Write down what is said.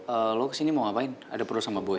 ee lo kesini mau ngapain ada perut sama boy